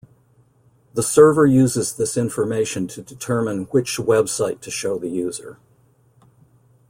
The server uses this information to determine which website to show the user.